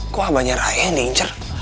kok abahnya raya yang danger